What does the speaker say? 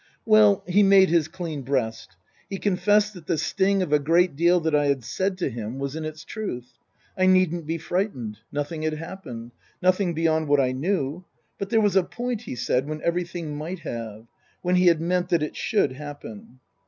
Well he made his clean breast. He confessed that the sting of a great deal that I had said to him was in its truth. I needn't be frightened. Nothing had happened. Nothing beyond what I knew. But there was a point, he said, when everything might have. When he had meant that it should happen.